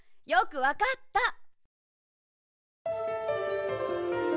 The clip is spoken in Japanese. よくわかった！